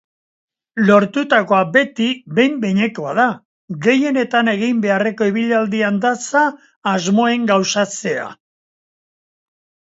Lortutakoa beti behin-behinekoa da, gehienetan egin beharreko ibilaldian datza asmoen gauzatzea.